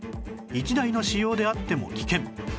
１台の使用であっても危険！